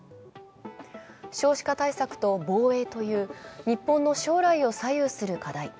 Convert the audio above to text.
少子化対策と防衛という、日本の将来を左右する課題。